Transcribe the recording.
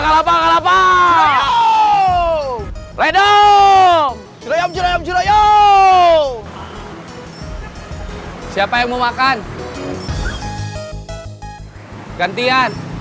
sampai jumpa di video selanjutnya